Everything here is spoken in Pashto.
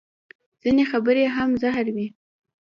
ځینې خبرې هم زهر وي